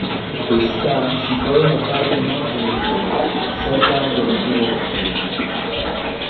Está situado en la parte norte de la ciudad, cerca del antiguo cuartel.